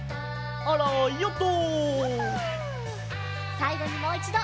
さいごにもういちど。